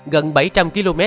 gần bảy trăm linh km